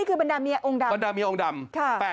คือบรรดาเมียองค์ดำบรรดาเมียองค์ดำ